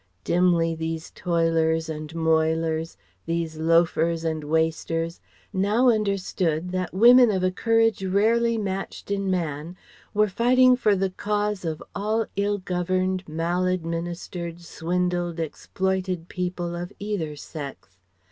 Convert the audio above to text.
Dimly these toilers and moilers, these loafers and wasters now understood that women of a courage rarely matched in man were fighting for the cause of all ill governed, mal administered, swindled, exploited people of either sex.